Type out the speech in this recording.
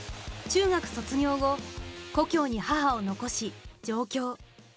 中学卒業後故郷に母を残し上京。